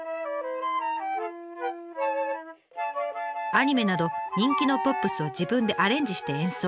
アニメなど人気のポップスを自分でアレンジして演奏。